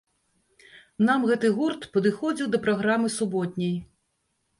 Нам гэты гурт падыходзіў да праграмы суботняй.